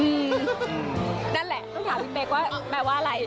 นั่นแหละต้องถามพี่เป๊กว่าแปลว่าอะไร